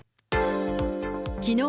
きのう